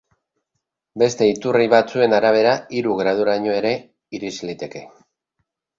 Beste iturri batzuen arabera, hiru graduraino ere irits liteke.